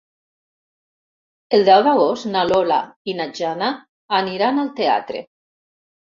El deu d'agost na Lola i na Jana aniran al teatre.